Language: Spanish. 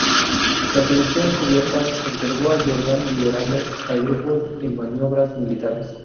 La policía encubierta observó a Jordan liderando al grupo en maniobras militares.